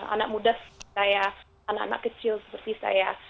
anak muda seperti anak anak kecil seperti saya